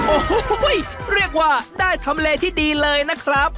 โอ้โหเรียกว่าได้ทำเลที่ดีเลยนะครับ